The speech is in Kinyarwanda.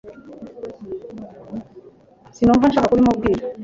Sinumva nshaka kubimubwira